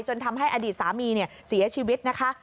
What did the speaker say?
ทำให้อดีตสามีเสียชีวิตนะคะ